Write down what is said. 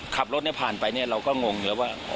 ขับรถเนี่ยผ่านไปเนี่ยเราก็งงเลยว่า